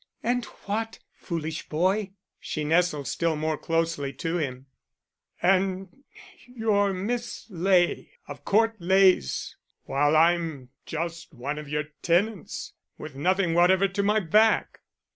"And what, foolish boy?" she nestled still more closely to him. "And you're Miss Ley of Court Leys, while I'm just one of your tenants, with nothing whatever to my back."